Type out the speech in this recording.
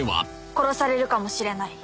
「殺されるかもしれない」